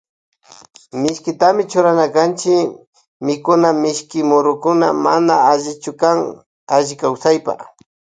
Mishkitami churana kanchi mikunapi mishki murukuna mana allichukan alli kawsaypa.